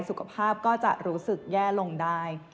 สุขภาพก็จะรู้สึกแย่ลงได้